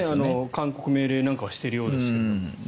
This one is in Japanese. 勧告命令なんかはしているはずですが。